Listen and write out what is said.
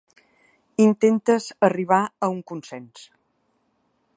Intentes arribar a un consens.